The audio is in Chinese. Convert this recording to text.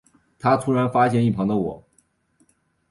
他突然发现一旁的我